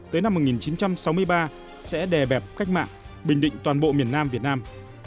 tới năm một nghìn chín trăm sáu mươi ba sẽ đè bẹp cách mạng bình định toàn bộ miền nam việt nam